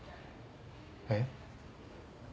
えっ？